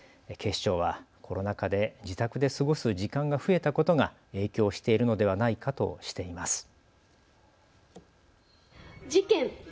警視庁はコロナ禍で自宅で過ごす時間が増えたことが影響しているのではないかとしています。